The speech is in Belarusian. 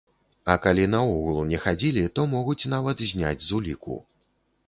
А калі наогул не хадзілі, то могуць нават зняць з уліку.